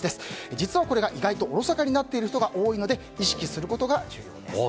実はこれが意外と疎かになっている人が多いので意識することが重要です。